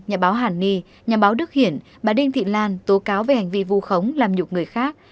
nhà báo hàn ni nhà báo đức hiển bà đinh thị lan tố cáo về hành vi vu khống làm nhục người khác